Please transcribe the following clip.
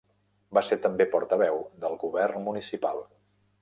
Va ser també portaveu del govern municipal.